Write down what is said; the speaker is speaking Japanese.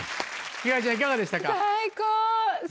星ちゃんいかがでしたか？